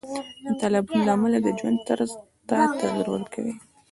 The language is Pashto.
تالابونه د افغانانو د ژوند طرز ته تغیر ورکوي.